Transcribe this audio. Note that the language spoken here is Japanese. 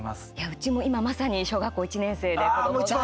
うちも今、まさに小学校１年生で、子どもが。